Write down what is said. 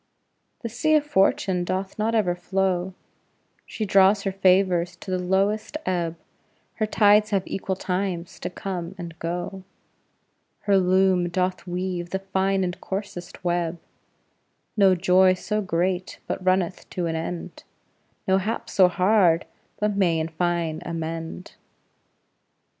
The sea of Fortune doth not ever flow; She draws her favors to the lowest ebb; Her tides have equal times to come and go; Her loom doth weave the fine and coarsest web; No joy so great but runneth to an end, No hap so hard but may in fine amend.